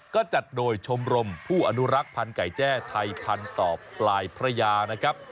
ก็จัดโดยชมรมผู้อนุรักษ์พันธุ์ไก่แจ้ไทยพันธุ์ต่อปลายพระยานะครับ